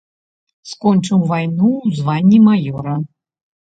Скончыў вайну ў званні маёра.